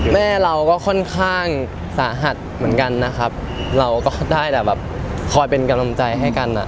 แม่เราก็ค่อนข้างสาหัสเหมือนกันนะครับเราก็ได้แต่แบบคอยเป็นกำลังใจให้กันอ่ะ